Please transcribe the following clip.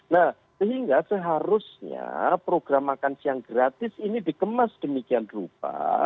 nah sehingga seharusnya program makan siang gratis ini dikemas demikian rupa